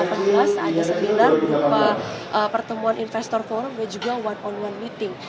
perluas ada sembilan berupa pertemuan investor forum dan juga one on one meeting